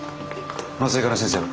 麻酔科の先生は？